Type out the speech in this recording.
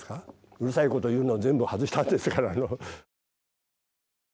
うるさい事を言うのを全部外したんですから。